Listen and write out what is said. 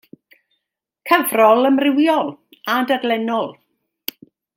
Cyfrol amrywiol, a dadlennol.